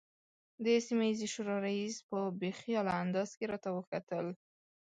د سیمه ییزې شورا رئیس په بې خیاله انداز کې راته وکتل.